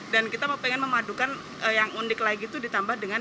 dan kita ingin memadukan yang unik lagi itu ditambah dengan